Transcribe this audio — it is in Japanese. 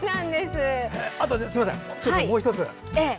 あとすみません、もう１つ。